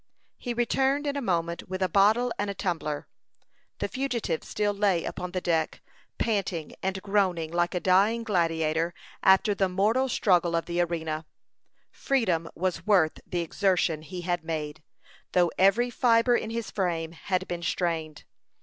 He returned in a moment with a bottle and a tumbler. The fugitive still lay upon the deck, panting and groaning like a dying gladiator after the mortal struggle of the arena. Freedom was worth the exertion he had made, though every fibre in his frame had been strained.